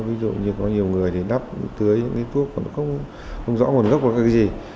ví dụ như có nhiều người thì đắp tưới những cái thuốc không rõ nguồn gốc là cái gì